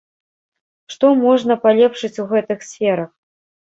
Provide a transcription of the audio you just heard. Што можна палепшыць у гэтых сферах?